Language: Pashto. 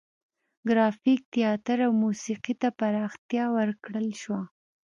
ګرافیک، تیاتر او موسیقي ته پراختیا ورکړل شوه.